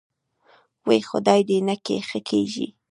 وۍ خدای دې نکي ښه کېږې.